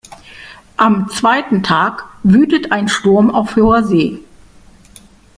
Am zweiten Tag wütet ein Sturm auf hoher See.